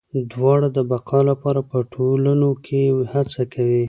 دواړه د بقا لپاره په ټولنو کې هڅه کوي.